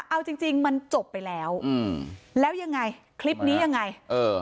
เอาจริงจริงมันจบไปแล้วอืมแล้วยังไงคลิปนี้ยังไงเออ